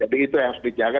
jadi itu yang harus dijaga